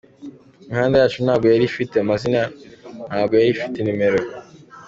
Imihanda yacu ntabwo yari ifite amazina, ntabwo yari ifite numero.